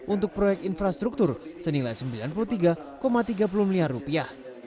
untuk proyek infrastruktur senilai sembilan puluh tiga tiga puluh miliar rupiah